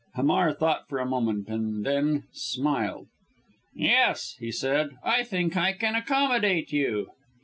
Hamar thought for a moment and then smiled. "Yes!" he said, "I think I can accommodate you."